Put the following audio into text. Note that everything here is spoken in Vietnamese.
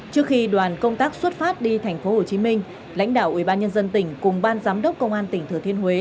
trước khi đoàn công tác xuất phát đi thành phố hồ chí minh lãnh đạo ủy ban nhân dân tỉnh cùng ban giám đốc công an tỉnh thừa thiên huế